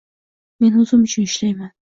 Men o‘zim uchun ishlayman.